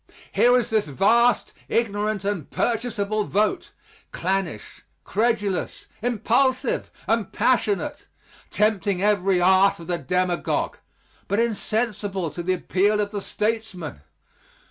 Here is this vast ignorant and purchasable vote clannish, credulous, impulsive, and passionate tempting every art of the demagogue, but insensible to the appeal of the stateman.